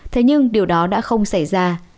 thế nhưng điều đó đã không xảy ra